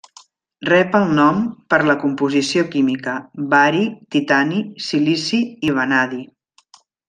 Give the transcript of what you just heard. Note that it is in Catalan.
Rep el nom per la composició química: bari, titani, silici i vanadi.